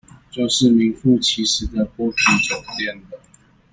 就是名符其實的剝皮酒店了